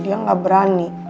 dia gak berani